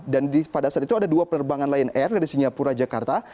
dan pada saat itu ada dua penerbangan lion air dari singapura jakarta